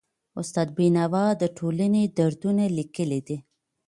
استاد بینوا د ټولني دردونه لیکلي دي.